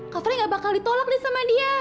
kak fre gak bakal ditolak deh sama dia